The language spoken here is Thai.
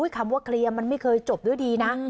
คำว่าเคลียร์มันไม่เคยจบด้วยดีนะ